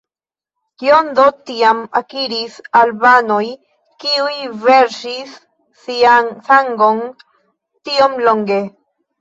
Kion do tiam akiris albanoj kiuj verŝis sian sangon tiom longe?